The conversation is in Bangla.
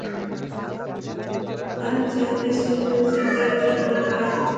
আর যা কিছু হয়েছে তার জন্য নয়।